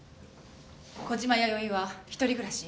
小島弥生は一人暮らし？